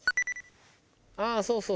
ああそうそう。